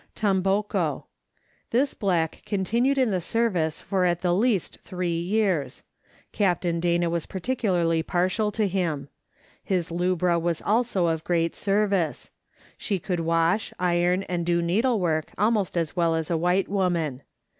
Tomboko. This black continued in the service for at the least three years ; Captain Dana was particularly partial to him. His Inbra was also of great service. She could wash, iron, and do needlework almost as well as a white woman.